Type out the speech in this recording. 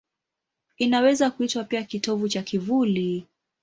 Inaweza kuitwa pia kitovu cha kivuli.